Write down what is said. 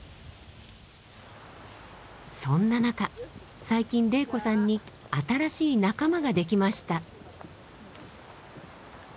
そんな中最近玲子さんに新しい仲間ができました。